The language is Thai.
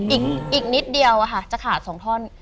อีกนิดเดียวจะขาด๒ท่อน